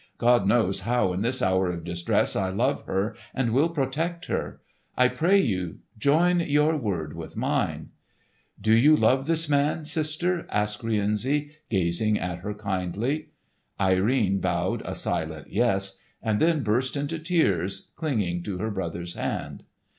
"God knows how in this hour of distress I love her and will protect her! I pray you join your word with mine." "Do you love this man, sister?" asked Rienzi gazing at her kindly. Irene bowed a silent "yes" and then burst into tears, clinging to her brother's hand.